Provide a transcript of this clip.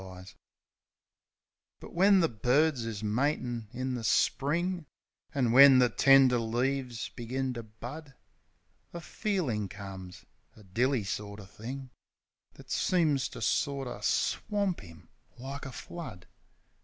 68 THE SENTIMENTAL BLOKE But when the birds is matin' in the spring, An' when the tender leaves begin to bud, A feelin' comes — a dilly sorter thing — That seems to sorter swamp 'im like a flood.